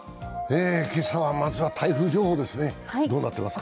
今朝はまずは台風情報ですね。